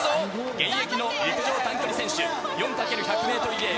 現役の陸上短距離選手、４×１００メートルリレー